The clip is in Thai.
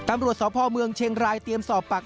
ตำรวจสพเมืองเชียงรายเตรียมสอบปัก